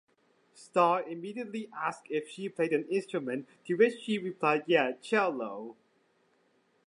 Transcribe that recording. Starr immediately asked if she played an instrument, to which she replied "Yeah, cello".